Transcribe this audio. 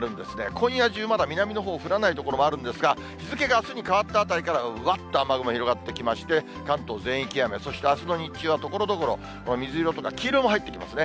今夜中、南のほう降らない所があるんですが、日付があすに変わったあたりからわっと雨雲広がってきまして、関東全域雨、そしてあすの日中はところどころ、水色とか黄色も入ってきますね。